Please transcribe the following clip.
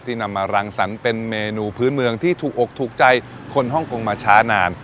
นำมารังสรรค์เป็นเมนูพื้นเมืองที่ถูกอกถูกใจคนฮ่องกงมาช้านาน